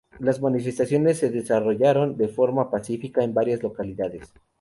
Las manifestaciones se desarrollaron de forma pacífica en varias localidades.